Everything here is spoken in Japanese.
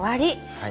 はい。